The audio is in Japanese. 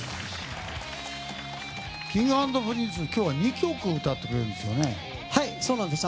Ｋｉｎｇ＆Ｐｒｉｎｃｅ、今日は２曲歌ってくれるんですね。